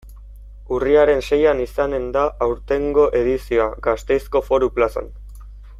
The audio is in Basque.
Urriaren seian izanen da aurtengo edizioa, Gasteizko Foru Plazan.